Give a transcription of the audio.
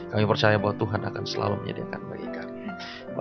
kami percaya bahwa tuhan akan selalu menyediakan baikannya